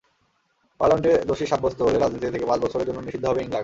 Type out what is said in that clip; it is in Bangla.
পার্লামেন্টে দোষী সাব্যস্ত হলে রাজনীতি থেকে পাঁচ বছরের জন্য নিষিদ্ধ হবেন ইংলাক।